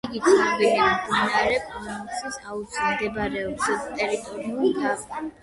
იგი ცნობილია მდინარე კონგოს აუზის მიმდებარე ტერიტორიების დაპყრობით.